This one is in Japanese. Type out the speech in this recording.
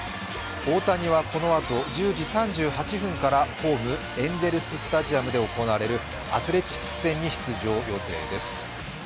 大谷はこのあと、１０時３８分からホーム・エンゼルスタジアムで行われるアスレチックス戦に出場予定です。